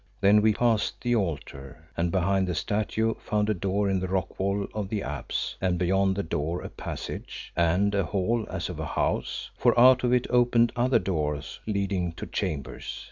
Then we passed the altar, and behind the statue found a door in the rock wall of the apse, and beyond the door a passage, and a hall as of a house, for out of it opened other doors leading to chambers.